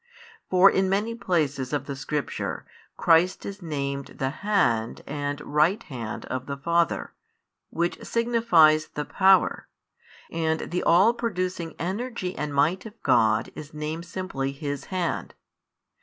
For in many places of the Scripture, Christ is named the Hand and Right Hand of the Father, which signifies the Power; and the all producing energy and might of God is named simply His hand.